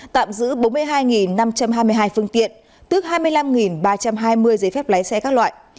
tạm giữ bốn mươi hai năm trăm hai mươi hai phương tiện tức hai mươi năm ba trăm hai mươi giấy phép lái xe các loại